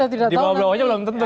di bawah belau nya belum tentu